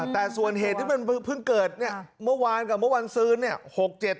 แต่ส่วนเหตุที่มันเพิ่งเกิดเนี่ยเมื่อวานกับเมื่อวันซื้อเนี่ย